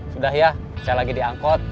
sudah ya saya lagi diangkut